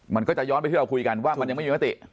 มันก็จะย้อนไปที่เราคุยกันว่ามันยังไม่มีมติ